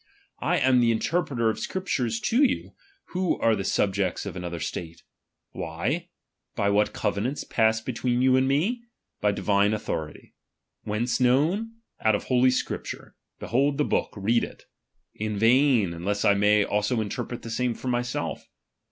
I am the interpreter of Scriptures to yon, who are the subject of another state. Wliy ? By what covenants passed between you and me ? By divine authority. Whence known ? Out of holy Scrip ture : behold the book, read it. In vain, unless I may also interpret the same for myself.